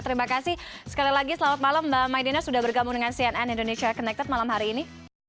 terima kasih sekali lagi selamat malam mbak maidina sudah bergabung dengan cnn indonesia connected malam hari ini